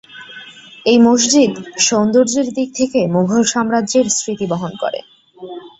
এই মসজিদ সৌন্দর্যের দিক থেকে মুঘল সাম্রাজ্যের স্মৃতি বহন করে।